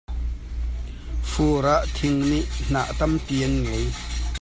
Fur ah thing nih hnah tampi an ngei.